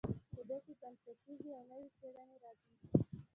په دې کې بنسټیزې او نوې څیړنې راځي.